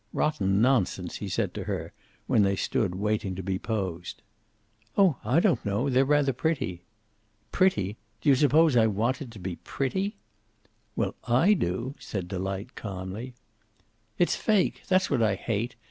"Rotten nonsense," he said to her, "when they stood waiting to be posed. "Oh, I don't know. They're rather pretty." "Pretty! Do you suppose I want it be pretty?" "Well, I do," said Delight, calmly. "It's fake. That's what I hate.